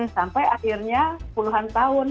sampai akhirnya puluhan tahun